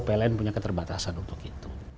pln punya keterbatasan untuk itu